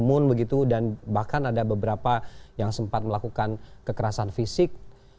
namun begitu dan bahkan ada beberapa yang sempat melakukan kekerasan fisik